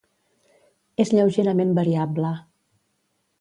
És lleugerament variable.